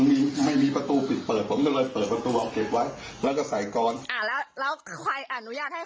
ไม่มีใครอนุญาต